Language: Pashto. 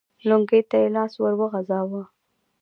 لونګۍ ته يې لاس ور وغځاوه.